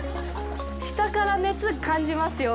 下から熱を感じますよ。